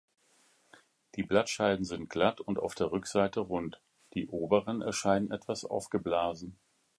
Die Blattscheiden sind glatt und auf der Rückseite rund; die oberen erscheinen etwas aufgeblasen.